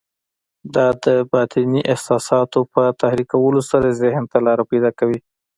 دا د باطني احساساتو په تحريکولو سره ذهن ته لاره پيدا کوي.